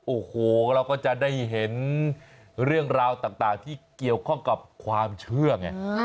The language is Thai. โอ้โหเราก็จะได้เห็นเรื่องราวต่างที่เกี่ยวข้องกับความเชื่อไง